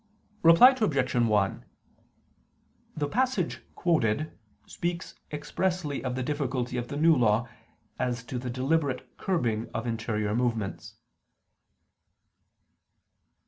Reply Obj. 1: The passage quoted speaks expressly of the difficulty of the New Law as to the deliberate curbing of interior movements.